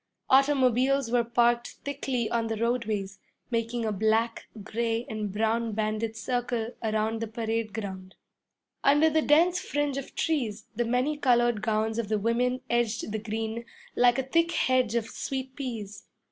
Automobiles were parked thickly on the roadways, making a black, gray, and brown banded circle around the parade ground. Under the dense fringe of trees, the many colored gowns of the women edged the green like a thick hedge of sweet peas.